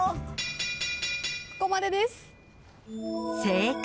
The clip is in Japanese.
ここまでです。